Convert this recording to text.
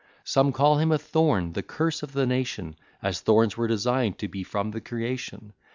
Some call him a thorn, the curse of the nation, As thorns were design'd to be from the creation.